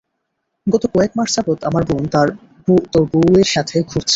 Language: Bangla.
গত কয়েকমাস যাবৎ আমার বোন তোর বউয়ের সাথে ঘুরছে।